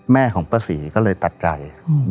แม่ของป้าศรีก็เลยตัดใจ